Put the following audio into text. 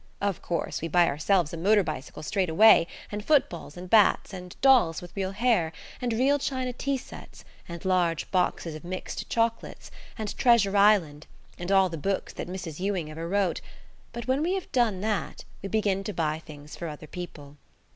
Of course, we buy ourselves a motor bicycle straight away, and footballs and bats–and dolls with real hair, and real china tea sets, and large boxes of mixed chocolates, and "Treasure Island," and all the books that Mrs. Ewing ever wrote, but, when we have done that we begin to buy things for other people.